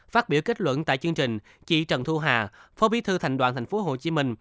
phát biểu kết luận tại chương trình chị trần thu hà phó bí thư thành đoàn tp hcm